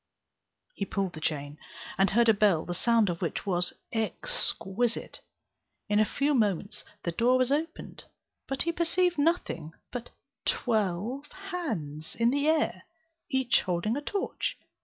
He pulled the chain, and heard a bell the sound of which was exquisite. In a few moments the door was opened; but he perceived nothing but twelve hands in the air, each holding a torch.